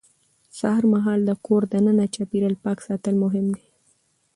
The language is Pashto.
سهار مهال د کور دننه چاپېریال پاک ساتل مهم دي